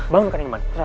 bangun kan iman kan iman